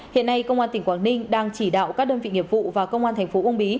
hiện nay công an tỉnh quảng ninh đang chỉ đạo các đơn vị nghiệp vụ và công an thành phố uông bí